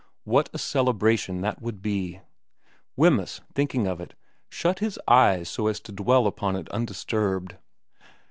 What a celebration that would be ! Wemyss, thinking of it, shut his eyes so as to dwell upon it undisturbed.